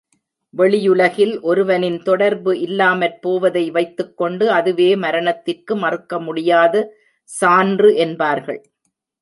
வெளியுலகில் ஒருவனின் தொடர்பு இல்லாமற் போவதை வைத்துக் கொண்டு அதுவே மரணத்திற்கு மறுக்க முடியாத சான்று என்பார்கள்.